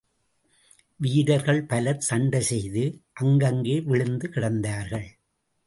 வீரர்கள் பலர் சண்டை செய்து, அங்கங்கே விழுந்து கிடந்தார்கள்.